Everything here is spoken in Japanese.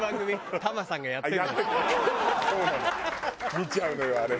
見ちゃうのよあれ。